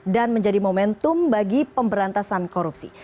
dan menjadi momentum bagi pemberantasan korupsi